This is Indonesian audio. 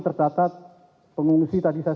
tercatat pengungsi tadi saya